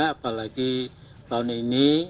apalagi tahun ini